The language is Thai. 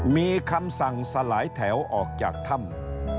มีคำสั่งสลายแถวออกจากถ้ำ